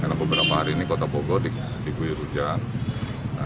karena beberapa hari ini kota bogor dikuih hujan